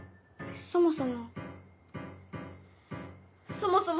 そもそも。